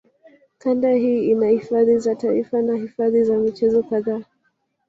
Kanda hii ina hifadhi za taifa na hifadhi za michezo kadhaa